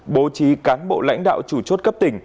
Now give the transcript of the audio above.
bố trí cán bộ lãnh đạo chủ chốt cấp tỉnh